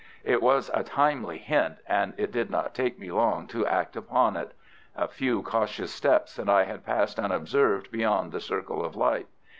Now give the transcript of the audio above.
It was a timely hint, and it did not take me long to act upon it. A few cautious steps and I had passed unobserved beyond the circle of light.